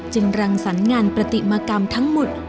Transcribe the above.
รังสรรค์งานปฏิมากรรมทั้งหมด